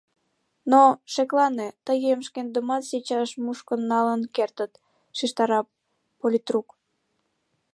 Но, шеклане, тыйым шкендымат сейчас мушкыш налын кертыт, — шижтара политрук.